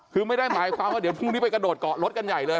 คือไม่ได้หมายความว่าเดี๋ยวพรุ่งนี้ไปกระโดดเกาะรถกันใหญ่เลย